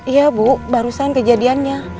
iya bu barusan kejadiannya